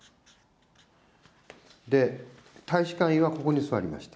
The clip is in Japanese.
で、大使館員はここに座りました。